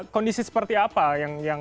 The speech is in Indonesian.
kondisi seperti apa yang